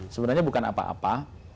sebenarnya bukan apa apa